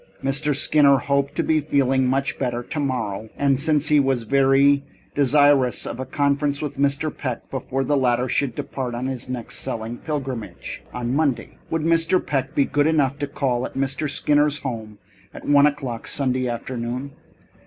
Mr. Skinner hoped to be feeling much better tomorrow, and since he was very desirous of a conference with Mr. Peck before the latter should depart on his next selling pilgrimage, on Monday, would Mr. Peck be good enough to call at Mr. Skinner's house at one o'clock Sunday afternoon?